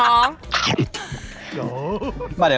อยากลองชิมดูหมะครับ